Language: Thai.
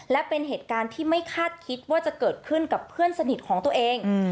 และเป็นเหตุการณ์ที่ไม่คาดคิดว่าจะเกิดขึ้นกับเพื่อนสนิทของตัวเอง